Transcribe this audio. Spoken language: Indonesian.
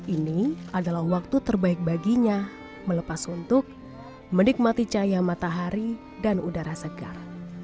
ini adalah waktu terbaik baginya melepas untuk menikmati cahaya matahari dan udara segar